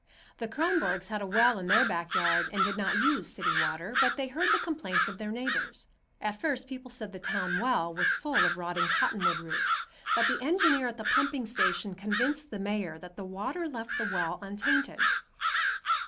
The Kronborgs had a well in their back yard and did not use city water, but they heard the complaints of their neighbors. At first people said that the town well was full of rotting cottonwood roots, but the engineer at the pumping station convinced the mayor that the water left the well untainted.